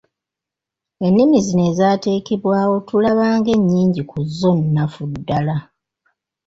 Ennimi zino ezaateekebwawo tulaba ng'ennyingi ku zzo nnafu ddala.